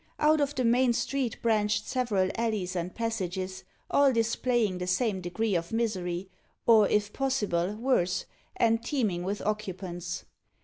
Out of the main street branched several alleys and passages, all displaying the same degree of misery, or, if possible, worse, and teeming with occupants.